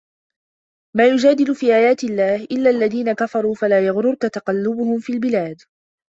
ما يجادل في آيات الله إلا الذين كفروا فلا يغررك تقلبهم في البلاد